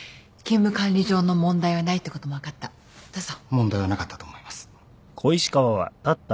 問題はなかったと思います。